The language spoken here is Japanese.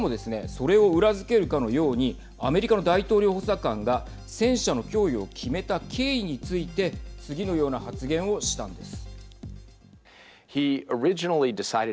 それを裏付けるかのようにアメリカの大統領補佐官が戦車の供与を決めた経緯について次のような発言をしたんです。